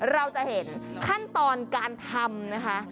เราจะเห็นขั้นตอนการทำนะคะ